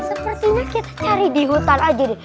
sepertinya kita cari di hutan aja nih